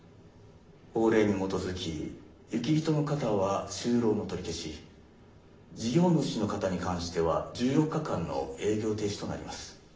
法令に基づき雪人の方は就労の取り消し事業主の方に関しては１４日間の営業停止となります。